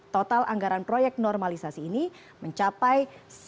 total anggaran proyek normalisasi ini mencapai